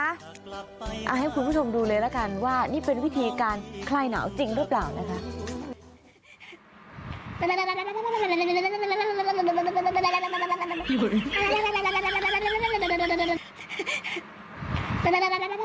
เอาให้คุณผู้ชมดูเลยละกันว่านี่เป็นวิธีการคลายหนาวจริงหรือเปล่านะคะ